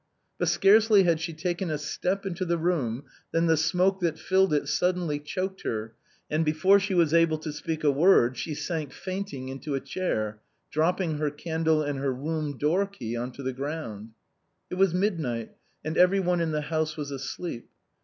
But scarcely had she taken a step into the room than the smoke that filled it suddenly chocked her, and, before she was able to speak a word, she sank fainting into a chair, drop ping her candle and her room door key on the ground. It was midnight, and every one in the house was asleep.